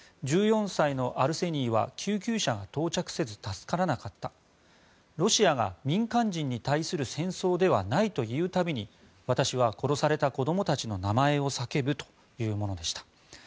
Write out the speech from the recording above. １４歳のアルセニーは救急車が到着せず助からなかったロシアが民間人に対する戦争ではないと言う度に私は殺された子どもたちの名前を叫ぶというものでした。